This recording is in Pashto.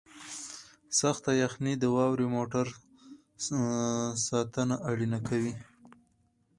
سخته یخنۍ د واورې موټر ساتنه اړینه کوي